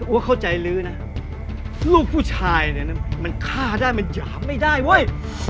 เข้าใจลื้อนะลูกผู้ชายเนี่ยมันฆ่าได้มันหยามไม่ได้เว้ย